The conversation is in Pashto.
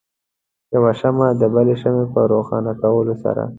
یو شمع د بلې شمعې په روښانه کولو سره.